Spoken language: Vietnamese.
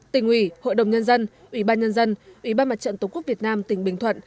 tỉnh ủy hội đồng nhân dân ủy ban nhân dân ủy ban mặt trận tổ quốc việt nam tỉnh bình thuận